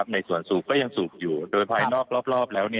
ในส่วนสูบก็ยังสูบอยู่โดยภายนอกรอบแล้ว